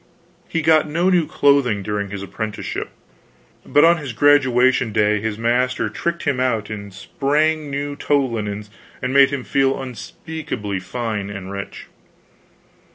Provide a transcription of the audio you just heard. He got no new clothing during his apprenticeship, but on his graduation day his master tricked him out in spang new tow linens and made him feel unspeakably rich and fine.